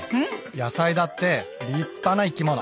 野菜だって立派な生きもの。